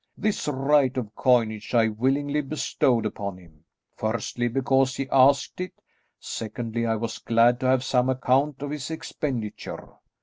This right of coinage I willingly bestowed upon him; firstly, because he asked it; secondly, I was glad to have some account of his expenditure.